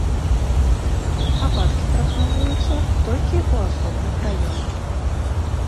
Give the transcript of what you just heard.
Ападкі прагназуюцца толькі ў асобных раёнах.